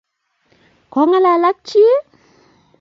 Kongalal ak chi?